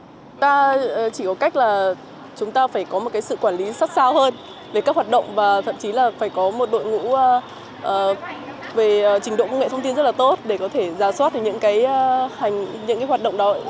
chúng ta chỉ có cách là chúng ta phải có một sự quản lý sắt sao hơn về các hoạt động và thậm chí là phải có một đội ngũ về trình độ công nghệ thông tin rất là tốt để có thể giả soát những hoạt động đó